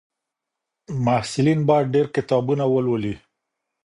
محصلین باید ډېر کتابونه ولولي.